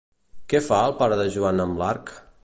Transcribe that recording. Què va fer el pare de Joan amb l'arc?